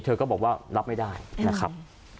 เธอก็บอกว่ารับไม่ได้นะครับ